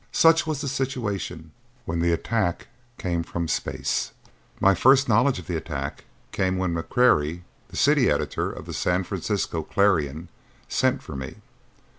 Such was the situation when the attack came from space. My first knowledge of the attack came when McQuarrie, the city editor of the San Francisco Clarion, sent for me.